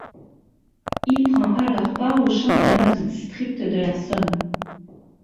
Il prend alors part aux championnats du district de la Somme.